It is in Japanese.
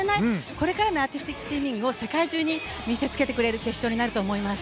これからのアーティスティックスイミングを世界中に見せつけてくれる決勝になると思います。